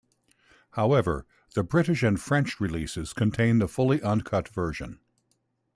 However, the British and French releases contain the fully uncut version.